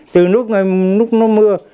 từ lúc nó mưa